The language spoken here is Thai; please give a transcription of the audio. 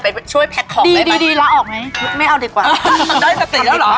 ได้สติแล้วเหรอ